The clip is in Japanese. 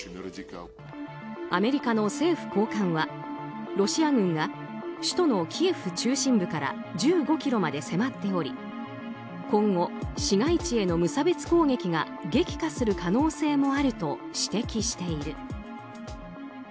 アメリカの政府高官はロシア軍が首都のキエフ中心部から１５ｋｍまで迫っており今後、市街地への無差別攻撃が激化する可能性もあると指摘している。